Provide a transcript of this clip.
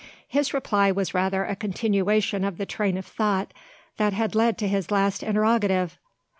His reply was rather a continuation of the train of thought that had led to his last interrogative.